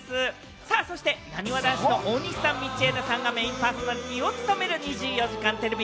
さあ、そして、なにわ男子の大西さん、道枝さんがメインパーソナリティーを務める『２４時間テレビ』。